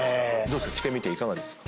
着てみていかがですか？